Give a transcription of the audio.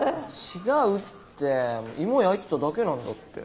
違うってイモ焼いてただけなんだって。